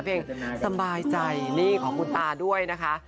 เพลงสบายใจนี่ของคุณตาด้วยนะคะ